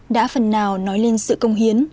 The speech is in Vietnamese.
đã phần nào nói lên sự công hiến